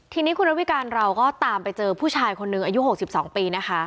ทีนี้คุณระวิการเราก็ตามไปเจอผู้ชายคนหนึ่งอายุ๖๒ปีนะคะ